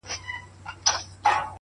وځان ته بله زنده گي پيدا كړه!!